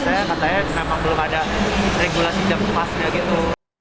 saya katanya memang belum ada regulasi jam kemasnya gitu